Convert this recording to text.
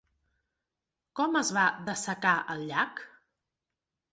Com es va dessecar el llac?